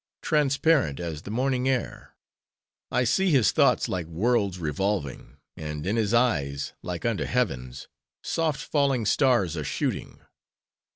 transparent as the morning air. I see his thoughts like worlds revolving—and in his eyes—like unto heavens—soft falling stars are shooting.